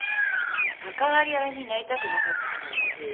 関わり合いになりたくなかったからつい。